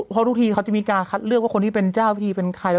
เพราะทุกทีเขาจะมีการคัดเลือกว่าคนที่เป็นเจ้าพิธีเป็นใคร